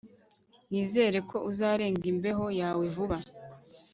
Nizere ko uzarenga imbeho yawe vuba